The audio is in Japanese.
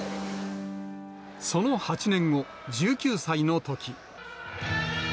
その８年後、１９歳のとき。